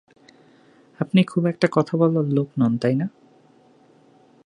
আপনি খুব একটা কথা বলার লোক নন, তাই না?